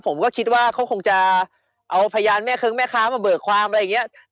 ผมก็คิดว่าเขาคงจะเอาพยานแม่เคิ้งแม่ค้ามาเบิกความอะไรอย่างนี้